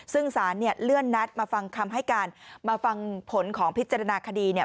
ซึ่งสารเนี่ยเลื่อนนัดมาฟังคำให้การมาฟังผลของพิจารณาคดีเนี่ย